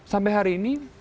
sampai hari ini